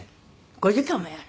５時間もやる？